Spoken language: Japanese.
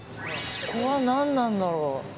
ここは何なんだろう。